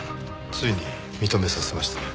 ついに認めさせましたね。